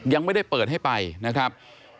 ยังไม่ได้เปิดให้ไปนะครับ